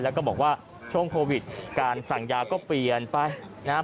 แล้วก็บอกว่าช่วงโควิดการสั่งยาก็เปลี่ยนไปนะครับ